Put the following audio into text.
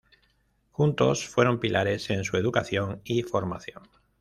Juntos fueron pilares en su educación y formación.